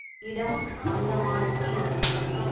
இடம் அந்தமான் தீவு.